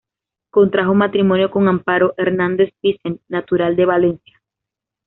Contrajo matrimonio con Amparo Hernández Vicent, natural de Valencia.